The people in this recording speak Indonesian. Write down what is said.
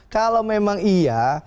kalau memang iya